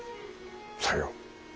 さよう。